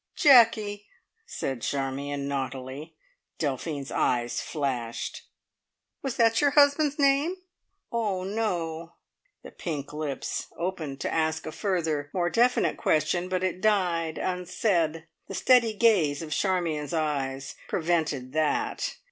"Jacky," said Charmion naughtily. Delphine's eyes flashed. "Was that your husband's name?" "Oh no." The pink lips opened to ask a further, more definite question, but it died unsaid. The steady gaze of Charmion's eyes prevented that.